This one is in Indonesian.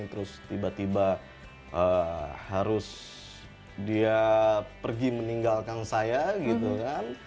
terus tiba tiba harus dia pergi meninggalkan saya gitu kan